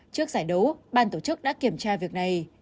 trước giải đấu ban tổ chức đã kiểm tra việc này